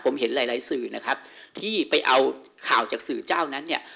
ผมเห็นหลายหลายสื่อนะครับที่ไปเอาข่าวจากสื่อเจ้านั้นเนี่ย